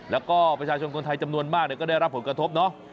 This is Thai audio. แล้วก็ประชาชนคนไทยจำนวนมากก็ได้รับผลกระทบเนาะ